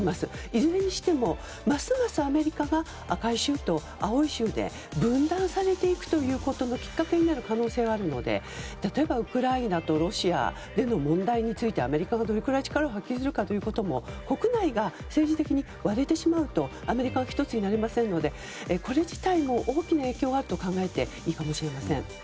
いずれにしてもますますアメリカが赤い州と青い州で分断されていくことのきっかけになる可能性があるので例えば、ウクライナとロシアでの問題についてアメリカがどれくらい力を発揮するかも国内が政治的に割れてしまうとアメリカは１つになれませんのでこれ自体も大きな影響があると考えていいかもしれません。